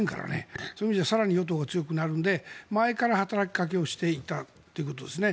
そういう意味では与党が更に強くなるので、前から働きかけをしていたということですね。